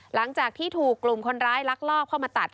หลังจากที่ถูกกลุ่มคนร้ายลักลอบเข้ามาตัด